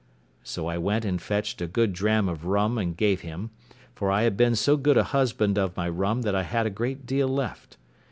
So I went and fetched a good dram of rum and gave him; for I had been so good a husband of my rum that I had a great deal left.